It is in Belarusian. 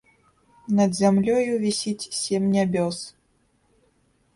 Над зямлёю вісіць сем нябёс.